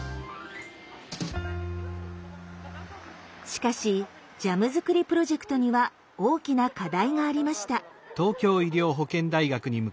しかしジャムづくりプロジェクトには大きな課題がありました。